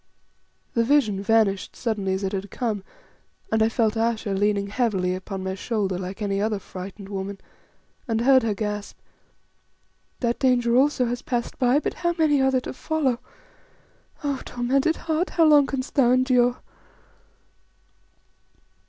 The vision vanished suddenly as it had come, and I felt Ayesha leaning heavily upon my shoulder like any other frightened woman, and heard her gasp "That danger also has passed by, but how many are there to follow? Oh! tormented heart, how long canst thou endure!"